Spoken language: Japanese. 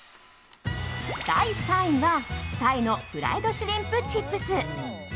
第３位はタイのフライドシュリンプチップス。